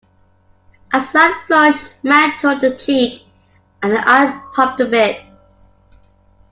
A slight flush mantled the cheek, and the eyes popped a bit.